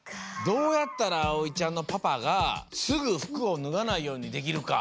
どうやったらあおいちゃんのパパがすぐ服をぬがないようにできるか？